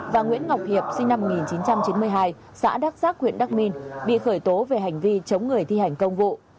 và nguyễn ngọc hiệp sinh năm một nghìn chín trăm chín mươi hai xã đắc giác huyện đắc minh bị khởi tố về hành vi chống người thi hành công vụ